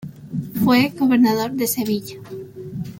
Fue Gobernador de Sevilla.